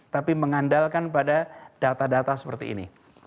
tapi mengandalkan pada data data seperti ini